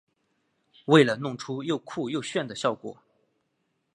为了弄出又酷又炫的效果